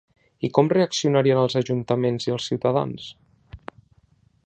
I com reaccionarien els ajuntaments i els ciutadans?